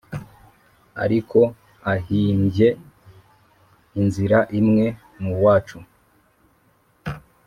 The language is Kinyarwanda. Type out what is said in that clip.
ariko ahimbye inzira imwe n’uwacu!